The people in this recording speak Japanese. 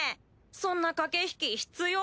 そんな駆け引き必要？